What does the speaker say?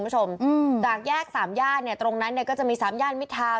จากแยกสามย่านเนี่ยตรงนั้นเนี่ยก็จะมีสามย่านมิดทาว